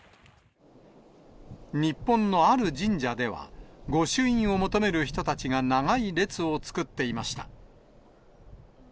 日本のある神社では、御朱印を求める人たちが長い列を作っていました。